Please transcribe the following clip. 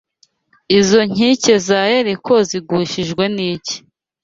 IZO nkike za Yeriko zigushijwe n’iki